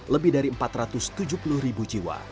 lebih dari empat ratus tujuh puluh ribu jiwa